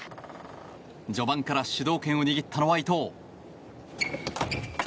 序盤から主導権を握ったのは伊藤。